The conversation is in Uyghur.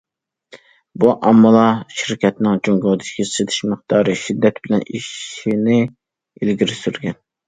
بۇ ئامىللار شىركەتنىڭ جۇڭگودىكى سېتىش مىقدارى شىددەت بىلەن ئېشىشىنى ئىلگىرى سۈرگەن.